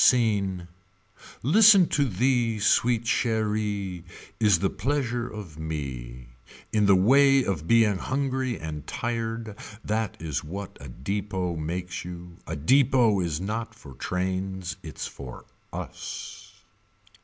Scene. Listen to thee sweet cheerie Is the pleasure of me. In the way of being hungry and tired That is what a depot makes you A depot is not for trains Its for us.